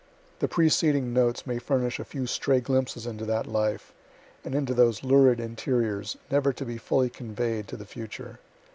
The preceding notes may furnish a few stray glimpses into that life, and into those lurid interiors, never to be fully convey'd to the future.